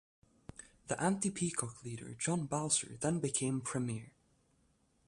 The anti-Peacock leader John Bowser then became Premier.